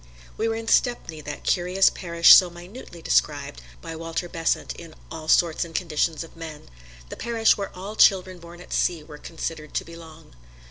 We were in Stepney, that curious parish so minutely described by Walter Besant in "All Sorts and Conditions of Men" the parish where all children born at sea were considered to belong.